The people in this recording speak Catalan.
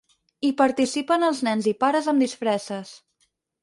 Hi participen els nens i pares amb disfresses.